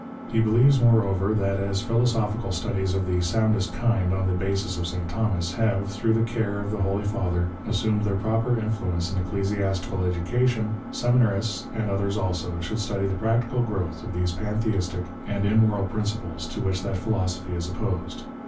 He believes moreover, that, as philosophical studies of the soundest kind on the basis of St. Thomas have, through the care of the Holy Father, assumed their proper influence in ecclesi PREFACE. XXIU astical education, seminarists, and others also, should study the practical growth of those Pantheistic and immoral principles to which that philosophy is opposed.